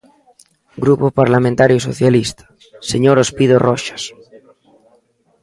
Grupo Parlamentario Socialista, señor Ospido Roxas.